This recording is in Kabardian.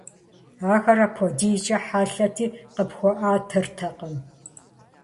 Ахэр апхуэдизкӀэ хьэлъэти, къыпхуэӀэтыртэкъым.